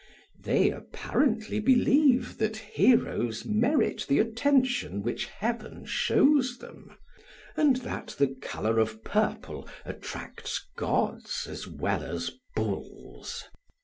They apparently believe that heroes merit the attention which Heaven shows them and that the color of purple attracts gods as well as bulls.